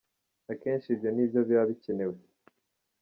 Akenshi ibyo ni byo biba bikenewe.